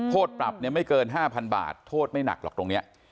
โทษปรับเนี่ยไม่เกิน๕๐๐๐บาทโทษไม่หนักหรอกตรงนี้